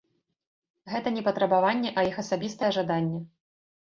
Гэта не патрабаванне, а іх асабістае жаданне.